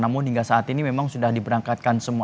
namun hingga saat ini memang sudah diberangkatkan semua